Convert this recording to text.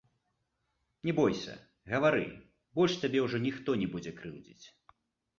Не бойся, гавары, больш цябе ўжо ніхто не будзе крыўдзіць.